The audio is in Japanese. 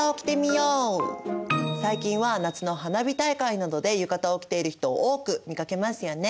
最近は夏の花火大会などで浴衣を着ている人多く見かけますよね。